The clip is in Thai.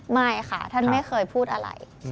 ไม่ค่ะท่านไม่เคยพูดอะไร